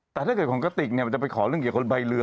แต่ถ้าเกิดของกระติกเนี่ยมันจะไปขอเรื่องเกี่ยวกับใบเรือ